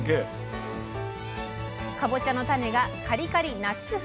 かぼちゃの種がカリカリナッツ風